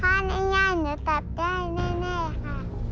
ถ้าง่ายหนูตัดได้แน่ค่ะ